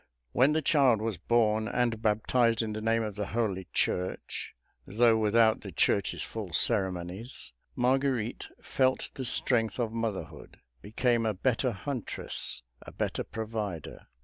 When the child was born and baptized in the name of the Holy Church, though without the Church's full ceremonies, Marguerite felt the strength of motherhood; became a better huntress, a better provider.